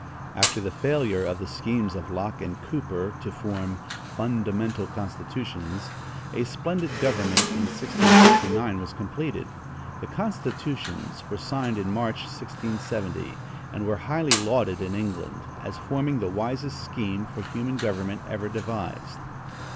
After the failure of the schemes of Loche and Cooper to form "Fundamental Constitutions," a splendid government, in 1669, was completed. The "constitutions" were signed in March, 1670, and were highly lauded in England, as forming the wisest scheme for human government ever devised.